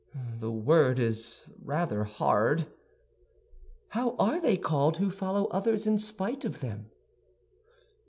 "The word is rather hard." "How are they called who follow others in spite of them?"